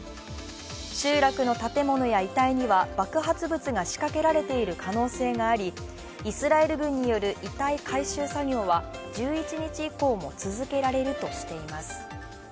集落の建物や遺体には爆発物が仕掛けられている可能性がありイスラエル軍による遺体回収作業は１１日以降も続けられるとしています。